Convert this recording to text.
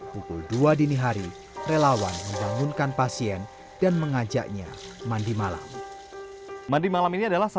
pukul dua dini hari relawan menjangunkan pasien dan mengajaknya mandi malam